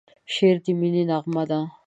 شعر د مینې نغمه ده.